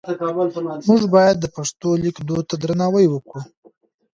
موږ باید د پښتو لیک دود ته درناوی وکړو.